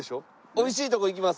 おいしいとこ行きます。